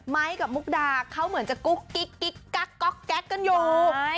กับมุกดาเขาเหมือนจะกุ๊กกิ๊กกิ๊กกักกันอยู่